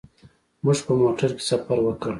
موږ په موټر کې سفر وکړ.